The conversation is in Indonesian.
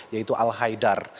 yaitu al haidar